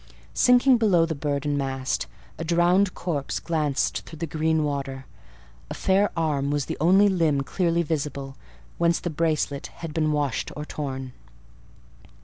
Sinking below the bird and mast, a drowned corpse glanced through the green water; a fair arm was the only limb clearly visible, whence the bracelet had been washed or torn.